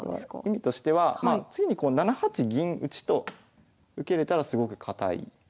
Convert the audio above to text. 意味としては次に７八銀打と受けれたらすごく堅い。